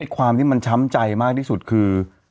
ความที่มันช้ำใจมากที่สุดคือ